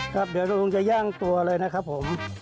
ครับเดี๋ยวลุงจะย่างตัวเลยนะครับผม